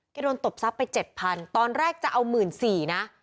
โดนตบทรัพย์ไป๗๐๐ตอนแรกจะเอา๑๔๐๐นะ